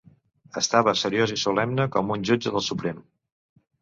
Estava seriós i solemne com un jutge del suprem.